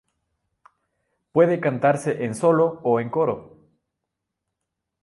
Puede cantarse en solo o en coro.